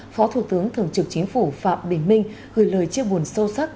phó thủ tướng thường trực chính phủ phạm bình minh gửi lời chia buồn sâu sắc